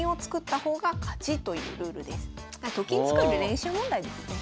と金作る練習問題ですね。